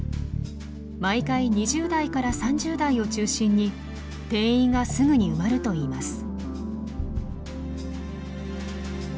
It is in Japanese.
毎回２０代から３０代を中心に定員がすぐに埋まるといいます。